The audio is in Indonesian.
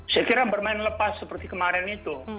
saya kira bermain lepas seperti kemarin itu